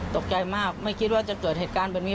ตกใจมากไม่คิดว่าจะเกิดเหตุการณ์แบบนี้